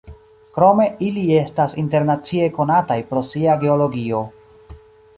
Krome ili estas internacie konataj pro sia geologio.